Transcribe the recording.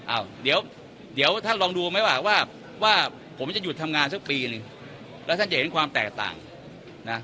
อ้าวเดี๋ยวท่านลองดูไหมว่าว่าผมจะหยุดทำงานสักปีหนึ่งแล้วท่านจะเห็นความแตกต่างนะ